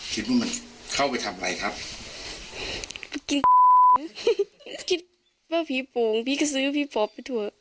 คิดว่ามันเข้าไปทำอะไรครับกินคิดว่าผีโปรงผีกระซื้อผีปลอปไปถั่ว